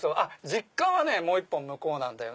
実家はもう１本向こうなんだよ